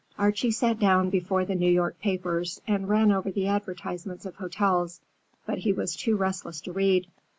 Archie sat down before the New York papers and ran over the advertisements of hotels, but he was too restless to read.